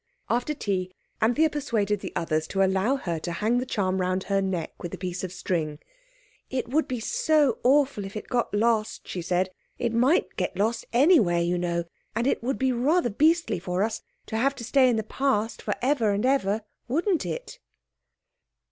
After tea Anthea persuaded the others to allow her to hang the charm round her neck with a piece of string. "It would be so awful if it got lost," she said: "it might get lost anywhere, you know, and it would be rather beastly for us to have to stay in the Past for ever and ever, wouldn't it?"